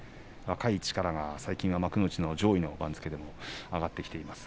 若い力が最近、幕内上位の番付でも上がってきています。